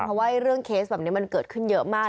เพราะว่าเรื่องเคสแบบนี้มันเกิดขึ้นเยอะมาก